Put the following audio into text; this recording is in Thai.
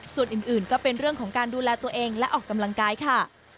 ส่วนอื่นก็เป็นเรื่องของการดูแลตัวเองและออกกำลังกายค่ะ